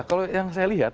kalau yang saya lihat